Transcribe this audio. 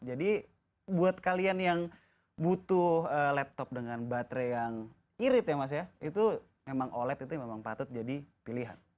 jadi buat kalian yang butuh laptop dengan baterai yang irit ya mas ya itu memang oled itu memang patut jadi pilihan